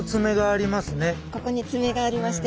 ここに爪がありまして。